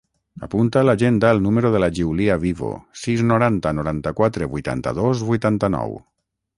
Apunta a l'agenda el número de la Giulia Vivo: sis, noranta, noranta-quatre, vuitanta-dos, vuitanta-nou.